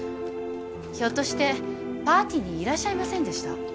ひょっとしてパーティーにいらっしゃいませんでした？